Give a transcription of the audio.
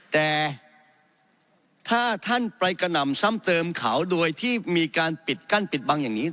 แต่ถ้าท่านไปกระหน่ำซ้ำเติมเขาโดยที่มีการปิดกั้นปิดบังอย่างนี้